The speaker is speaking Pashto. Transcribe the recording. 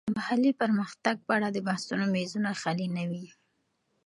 د محلي پرمختګ په اړه د بحثونو میزونه خالي نه وي.